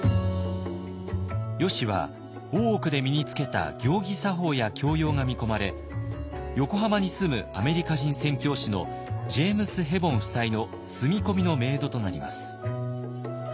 よしは大奥で身につけた行儀作法や教養が見込まれ横浜に住むアメリカ人宣教師のジェームス・ヘボン夫妻の住み込みのメイドとなります。